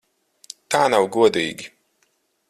Tā nav godīgi!